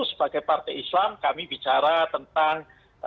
sebagai partai islam kami bicara tentang